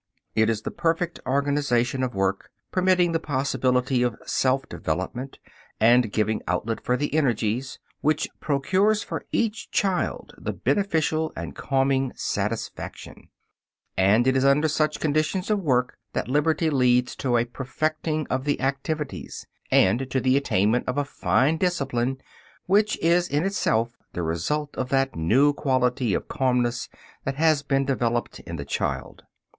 It is the perfect organization of work, permitting the possibility of self development and giving outlet for the energies, which procures for each child the beneficial and calming satisfaction. And it is under such conditions of work that liberty leads to a perfecting of the activities, and to the attainment of a fine discipline which is in itself the result of that new quality of calmness that has been developed in the child.